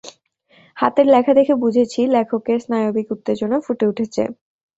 হাতের লেখা দেখে বুঝেছি লেখকের স্নায়বিক উত্তেজনা ফুটে উঠেছে।